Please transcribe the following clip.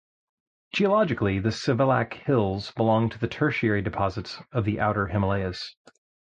Geologically, the Sivalik Hills belong to the tertiary deposits of the outer Himalayas.